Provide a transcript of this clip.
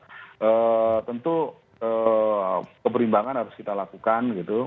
eee tentu ee keberimbangan harus kita lakukan gitu